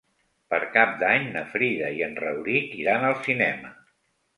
Per Cap d'Any na Frida i en Rauric iran al cinema.